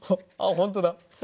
あっほんとだ。